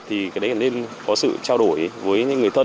thì cái đấy nên có sự trao đổi với những người thân